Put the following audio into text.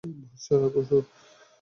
ভরসা রাখ, শুটু!